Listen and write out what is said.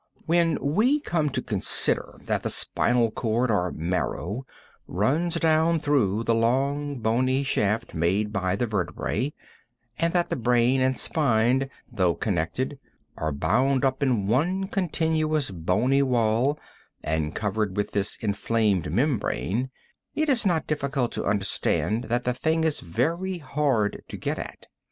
When we come to consider that the spinal cord, or marrow, runs down through the long, bony shaft made by the vertebrae, and that the brain and spine, though connected, are bound up in one continuous bony wall and covered with this inflamed membrane, it is not difficult to understand that the thing is very hard to get at.